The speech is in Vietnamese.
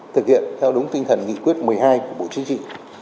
thực hiện theo đúng tinh thần nghị quyết một mươi hai của bộ chính trị